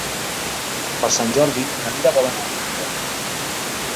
Per Sant Jordi na Mira vol anar al metge.